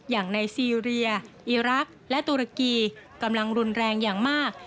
อย่างในซีเรียอีรักษ์และตุรกีกำลังรุนแรงอย่างมาก